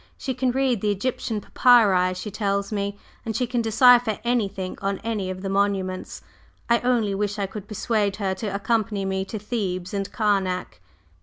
"She can read the Egyptian papyri, she tells me, and she can decipher anything on any of the monuments. I only wish I could persuade her to accompany me to Thebes and Karnak."